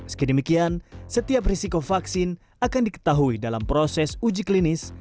sekidemikian setiap risiko vaksin akan diketahui dalam proses uji klinis